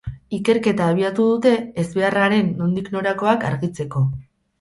Ikerketa abiatu dute ezbeharraren nondik norakoak argitzeko.